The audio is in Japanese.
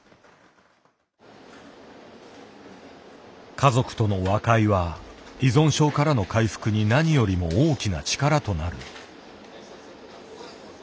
家族との和解は依存症からの回復に何よりも大きな力となる。